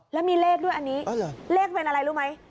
แล้วมีเลขด้วยอันนี้เลขเป็นอะไรรู้ไหม